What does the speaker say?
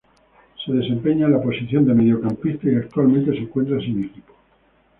Se desempeña en la posición de mediocampista y actualmente se encuentra sin equipo.